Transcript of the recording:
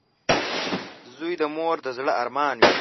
• زوی د مور د زړۀ ارمان وي.